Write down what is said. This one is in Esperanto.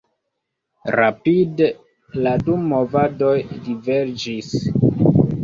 Rapide la du movadoj diverĝis.